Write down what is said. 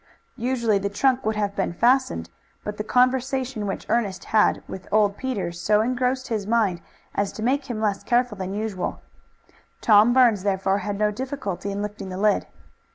Usually the trunk would have been fastened, but the conversation which Ernest had with old Peter so engrossed his mind as to make him less careful than usual. Tom Burns therefore had no difficulty in lifting the lid.